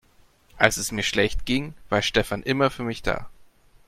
Als es mir schlecht ging, war Stefan immer für mich da.